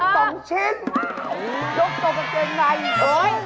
เฮ่ยทูพีช๒ชิ้นยกตรงกางไก่ในเฉยเฮ่ย